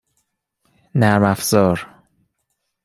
نرمافزار